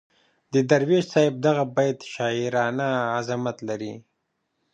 د درویش صاحب دغه بیت شاعرانه عظمت لري.